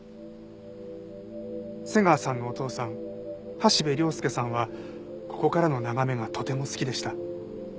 瀬川さんのお父さん橋部亮介さんはここからの眺めがとても好きでした。